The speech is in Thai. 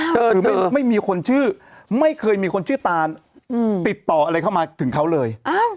คือไม่มีคนชื่อไม่เคยมีคนชื่อตานติดต่ออะไรเข้ามาถึงเขาเลย